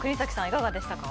いかがでしたか？